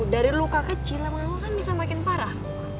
dari luka kecil emang lo kan bisa makin parah